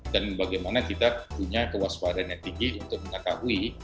dan bagaimana kita punya kewaspadaan yang tinggi untuk menangkapi